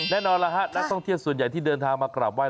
แน่นอนแล้วฮะนักท่องเที่ยวส่วนใหญ่ที่เดินทางมากราบไห้